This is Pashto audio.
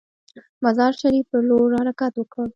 مزار شریف پر لور حرکت وکړ.